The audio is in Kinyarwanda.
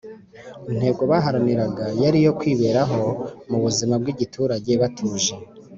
intego baharaniraga yari iyo kwiberaho mu buzima bw’igiturage batuje